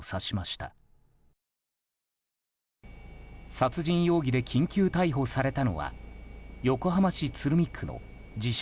殺人容疑で緊急逮捕されたのは横浜市鶴見区の自称